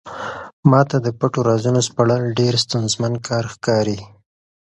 ما ته د پټو رازونو سپړل ډېر ستونزمن کار ښکاري.